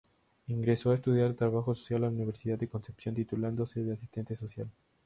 Ingreso a estudiar trabajo social a la Universidad de Concepción, titulándose de Asistente Social.